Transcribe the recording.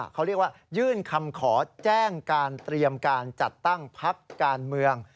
เขาเรียกว่ายื่นคำขอแจ้งการเตรียมการจัดตั้งพักการเมือง